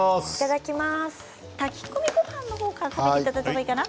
炊き込みごはんのほうから食べていただいたらいいかな